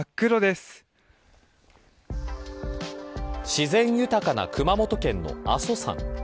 自然豊かな熊本県の阿蘇山。